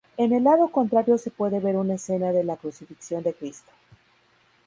En el lado contrario se puede ver una escena de la crucifixión de Cristo.